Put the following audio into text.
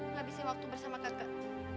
ngebisik waktu bersama kakak